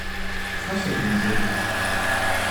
"Co się z nią dzieje?"